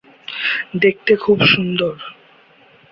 দেখতে খুব সুন্দর।